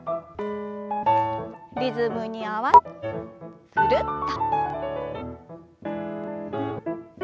リズムに合わせてぐるっと。